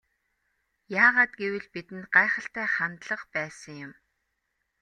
Яагаад гэвэл бидэнд гайхалтай хандлага байсан юм.